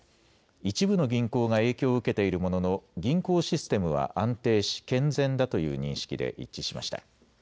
一部の銀行が影響を受けているものの銀行システムは安定し健全だという認識で一致しました。